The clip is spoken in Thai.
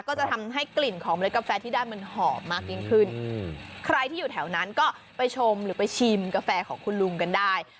ก็จะทำให้กลิ่นของเมล็ดกาแฟที่ได้มันหอมมากยิ่งขึ้นใครที่อยู่แถวนั้นก็ไปชมหรือไปชิมกาแฟของคุณลุงกันได้